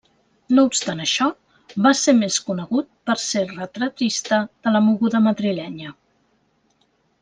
No obstant això, va ser més conegut per ser retratista de la moguda madrilenya.